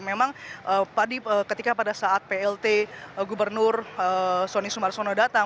memang tadi ketika pada saat plt gubernur soni sumarsono datang